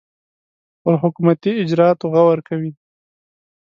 پر حکومتي اجرآتو غور کوي.